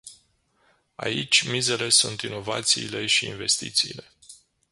Aici, mizele sunt inovațiile și investițiile.